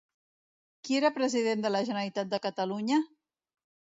Qui era president de la Generalitat de Catalunya?